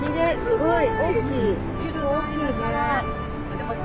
すごい。